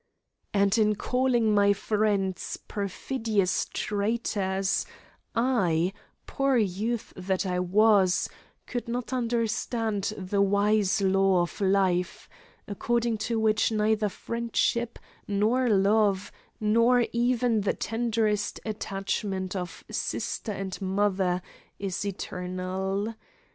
And in calling my friends "perfidious traitors" I, poor youth that I was, could not understand the wise law of life, according to which neither friendship, nor love, nor even the tenderest attachment of sister and mother, is eternal.